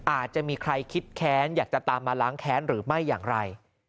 อาจจะมีใครคิดแค้นอยากจะตามมาล้างแค้นหรือไม่อย่างไร